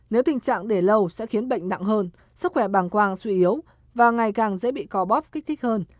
nếu tình trạng để lâu sẽ khiến bệnh nặng hơn sức khỏe bàng quang suy yếu và ngày càng dễ bị co bop kích thích hơn